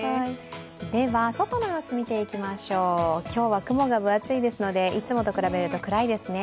では外の様子、見ていきましょう今日は雲が分厚いですので、いつもと比べると暗いですね。